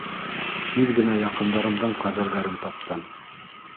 Тиҙ генә яҡындарымдың ҡәберҙәрен таптым.